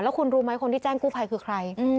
คุณรู้ไหมคนที่แจ้งกู้ภัยคือใคร